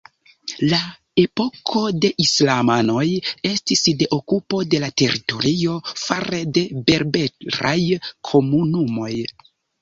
La epoko de islamanoj estis de okupo de la teritorio fare de berberaj komunumoj.